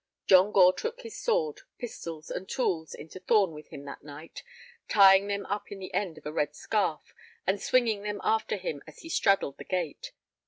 John Gore took his sword, pistols, and tools into Thorn with him that night, tying them up in the end of a red scarf, and swinging them after him as he straddled the gate.